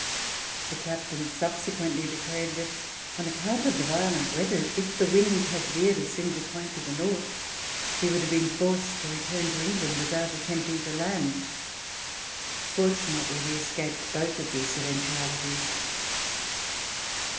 The Captain subsequently declared that on account of the violent weather, if the wind had veered a single point to the north, he would have been forced to return to Eng RETURN TO PARIS land witliout attcni])ti]ig to land. Fortunately we escaped both of these eventualities.